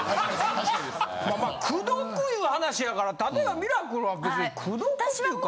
確かにです・まあ口説くいう話やから例えばミラクルは別に口説くっていうか。